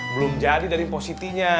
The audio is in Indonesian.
belum jadi dari positinya